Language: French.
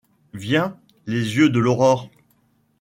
Viens, les yeux de l’aurore